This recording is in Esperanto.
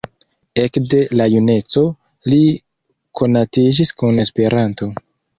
Ekde la juneco li konatiĝis kun Esperanto.